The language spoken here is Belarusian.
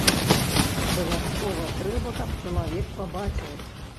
Абавязкова трэба, каб чалавек пабачыў.